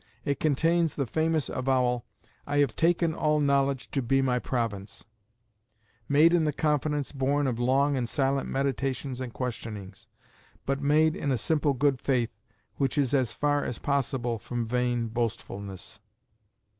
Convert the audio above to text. It contains the famous avowal "I have taken all knowledge to be my province" made in the confidence born of long and silent meditations and questionings, but made in a simple good faith which is as far as possible from vain boastfulness.